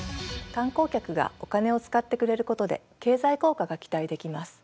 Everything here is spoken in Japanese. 観光客がお金を使ってくれることで経済効果が期待できます。